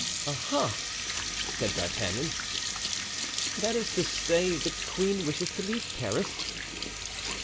"Aha!" said D'Artagnan, "that is to say, the queen wishes to leave Paris."